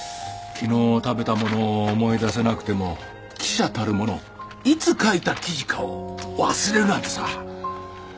昨日食べた物を思い出せなくても記者たる者いつ書いた記事かを忘れるなんてさ。